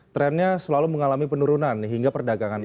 trennya selalu mengalami penurunan hingga perdagangan